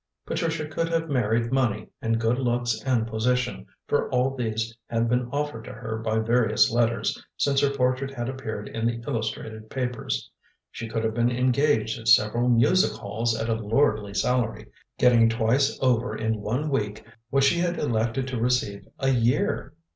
Patricia could have married money and good looks and position, for all these had been offered to her by various letters, since her portrait had appeared in the illustrated papers. She could have been engaged at several music halls at a lordly salary, getting twice over in one week what she had elected to receive a year.